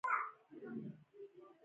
د پنجشیر سیند ډیرې اوبه لري